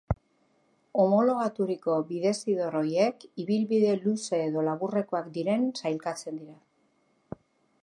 Homologaturiko bidezidor horiek ibilbide luze edo laburrekoak diren sailkatzen dira.